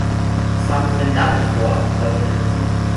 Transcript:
Was haben Sie denn damit vor?, wollte er wissen.